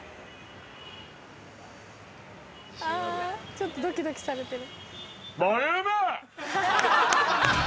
あちょっとドキドキされてる。